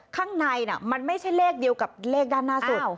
ข้างในมันไม่ใช่เลขเดียวกับเลขด้านหน้าสุด